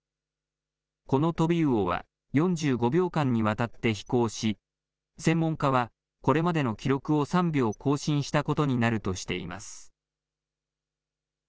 このトビウオは４５秒間にわたって飛行し、専門家はこれまでの記録を３秒更新したことになるとしています。